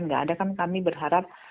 nggak ada kan kami berharap